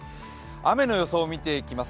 雨の予想見ていきます。